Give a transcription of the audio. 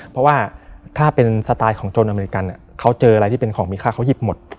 เพราะว่าถ้าเป็นสไตล์ของโจรอเมริกันเขาเจออะไรที่เป็นของมีค่าเขาหยิบหมด